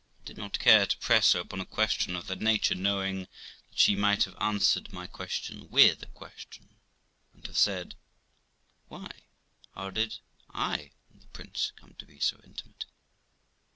I did not care to press her upon a question of that nature, knowing that she might have answered my question with a question, and have said, ' Why, how did I and the prince come to be so intimate?'